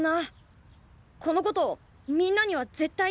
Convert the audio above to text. このことみんなには絶対に言わないから。